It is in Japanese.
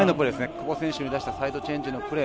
久保選手に出したサイドチェンジのプレー。